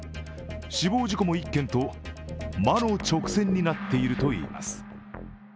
死亡事故も１件と、魔の直線になっているといいます。